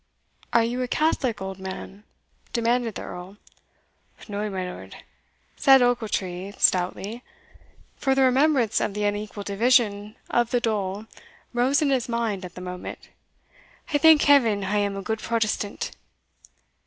"Are you a Catholic, old man?" demanded the Earl. "No, my lord," said Ochiltree stoutly; for the remembrance of the unequal division of the dole rose in his mind at the moment; "I thank Heaven I am a good Protestant."